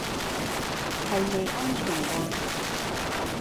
係咪安全㗎